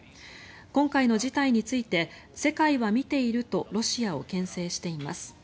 今回の事態について世界は見ているとロシアをけん制しています。